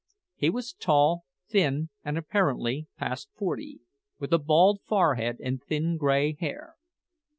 He was tall, thin, and apparently past forty, with a bald forehead and thin grey hair.